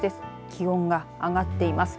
気温が上がっています。